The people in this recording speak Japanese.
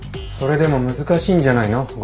それでも難しいんじゃないの？